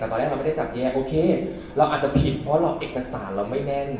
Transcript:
แต่ตอนแรกเราไม่ได้จับแยกโอเคเราอาจจะผิดเพราะเราเอกสารเราไม่แน่น